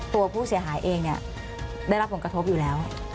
ตัวผู้เสียหายเองเนี่ยได้รับผลกระทบอยู่แล้ว